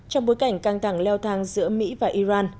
trong bối cảnh căng thẳng leo thang giữa mỹ và iran